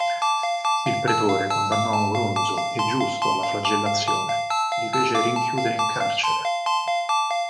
Il pretore condannò Oronzo e Giusto alla flagellazione e li fece rinchiudere in carcere.